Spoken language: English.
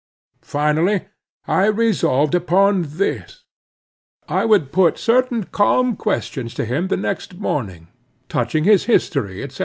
Finally, I resolved upon this;—I would put certain calm questions to him the next morning, touching his history, etc.